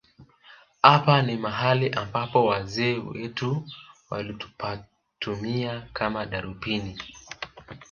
Hapa ni mahali ambapo wazee wetu walipatumia kama darubini